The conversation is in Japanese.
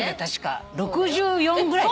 ６４ぐらい。